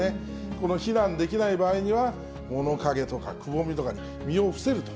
この避難できない場合には、物陰とかくぼみとかに身を伏せると。